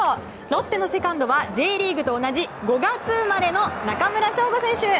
ロッテのセカンドはＪリーグと同じ５月生まれの中村奨吾選手。